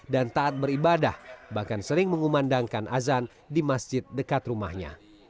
dan taat beribadah bahkan sering mengumandangkan azan di masjid dekat rumahnya